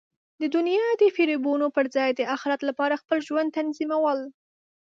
د دنیا د فریبونو پر ځای د اخرت لپاره خپل ژوند تنظیمول.